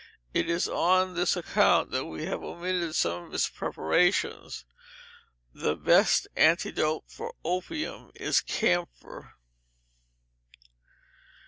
It is on this account that we have omitted some of its preparations. The best antidote for opium is camphor.